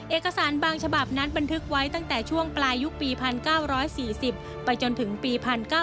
เอกสารบางฉบับนั้นบันทึกไว้ตั้งแต่ช่วงปลายยุคปี๑๙๔๐ไปจนถึงปี๑๙๙